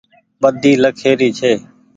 ٻۮي لکيِ ري ڇي